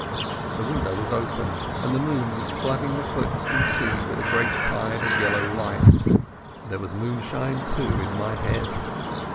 The window was open and the moon was flooding the cliffs and sea with a great tide of yellow light. There was moonshine, too, in my head.